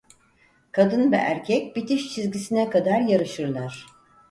Kadın ve erkek bitiş çizgisine kadar yarışırlar.